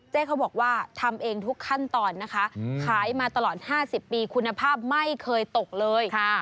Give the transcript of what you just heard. เขาบอกว่าทำเองทุกขั้นตอนนะคะขายมาตลอด๕๐ปีคุณภาพไม่เคยตกเลย